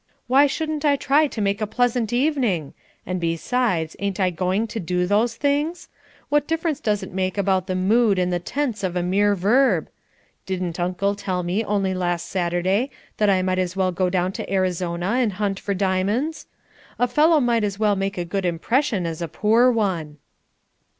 "Why shouldn't I try to make a pleasant evening? And besides, ain't I going to do those things? What difference does it make about the mood and tense of a mere verb? Didn't uncle tell me only last Saturday, that I might as well go down to Arizona and hunt for diamonds? A fellow might as well make a good impression as a poor one."